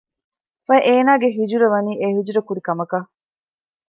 ފަހެ އޭނާގެ ހިޖުރަ ވަނީ އެ ހިޖުރަ ކުރި ކަމަކަށް